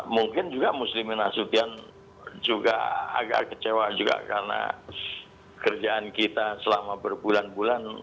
mungkin juga muslimin asution juga agak kecewa juga karena kerjaan kita selama berbulan bulan